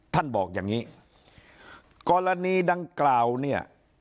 บอกอย่างนี้กรณีดังกล่าวเนี่ย